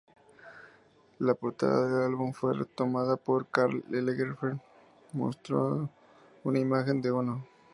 La portada del álbum fue tomada por Karl Lagerfeld mostrando una imagen de Ono.